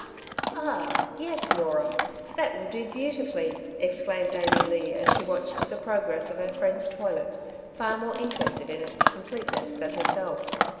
^'Ahl yes, Norah. That will do beautifully,^' exclaimed Amy Leigh, as she watched the progress of her friend's toilet, far more interested in its com pleteness than herself.